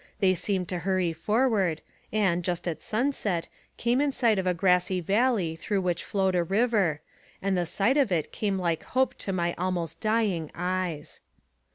They seemed to hurry forward, and, just at sun set, came in sight of a grassy valley through which flowed a river, and the sight of it came like hope to my almost dying eyes.